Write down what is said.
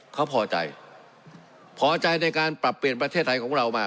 เขาพอใจพอใจในการปรับเปลี่ยนประเทศไทยของเรามา